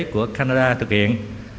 của canada thực hiện